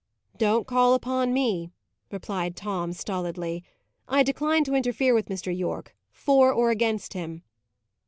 "Don't call upon me," replied Tom, stolidly. "I decline to interfere with Mr. Yorke; for, or against him."